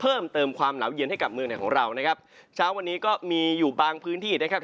เพิ่มเติมความหนาเย็นเวลาที่เรา